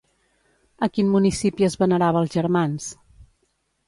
A quin municipi es venerava els germans?